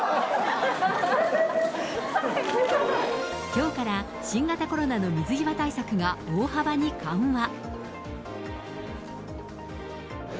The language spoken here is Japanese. きょうから新型コロナの水際対策が大幅に緩和。